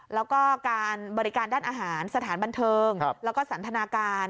แล้วก็การบริการด้านอาหารสถานบันเทิงแล้วก็สันทนาการ